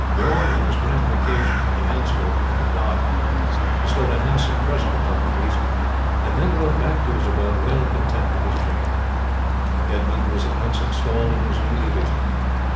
Bijorn, in his gratification at the answer of the god, bestowed a handsome present upon the priest, and then rode back to his abode well content with his journey. Edmund was at once installed in his new duties.